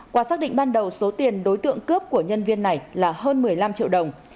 qua xác định ban đầu số tiền đối tượng cướp của nhân viên này là hơn một mươi năm triệu đồng